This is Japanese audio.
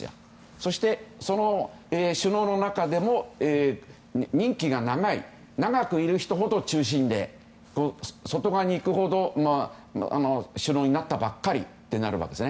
そして、その首脳の中でも任期が長い長くいる人ほど中心で外側に行くほど首脳になったばかりとなります。